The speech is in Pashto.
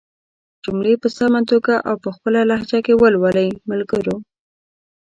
جملې په سمه توګه او په خپله لهجه ېې ولولئ ملګرو!